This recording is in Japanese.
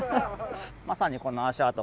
まさにこの足跡